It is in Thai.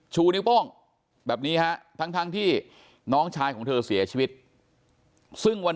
ชูนิ้วโป้งแบบนี้ฮะทั้งที่น้องชายของเธอเสียชีวิตซึ่งวัน